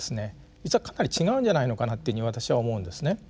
実はかなり違うんじゃないのかなというふうに私は思うんですね。